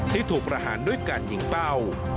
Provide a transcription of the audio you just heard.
ที่ถูกประหารด้วยการยิงเป้า